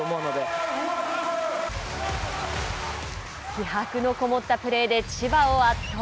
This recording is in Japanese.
気迫の籠もったプレーで千葉を圧倒。